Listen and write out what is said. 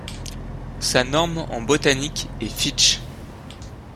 Sa norme en botanique est Fitch.